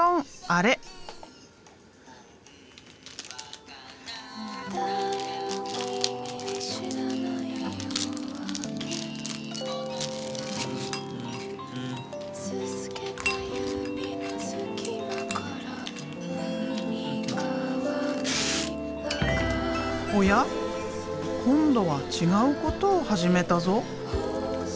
おや今度は違うことを始めたぞ？